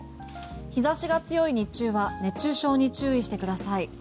日差しが強い日中は熱中症に注意してください。